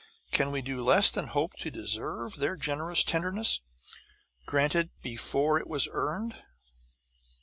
Can we do less than hope to deserve their generous tenderness, granted before it was earned?